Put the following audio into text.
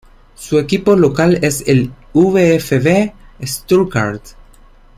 Su equipo local es el VfB Stuttgart.